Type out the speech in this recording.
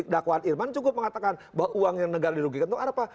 dakwaan irman cukup mengatakan bahwa uangnya negara dirugikan itu apa